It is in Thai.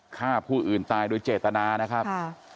ฆ่าผู้อื่นตายโดยเจตนานะครับ